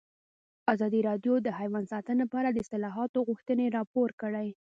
ازادي راډیو د حیوان ساتنه په اړه د اصلاحاتو غوښتنې راپور کړې.